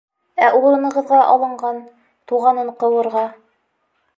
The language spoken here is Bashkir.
Ә урынығыҙға алынған... туғанын ҡыуырға.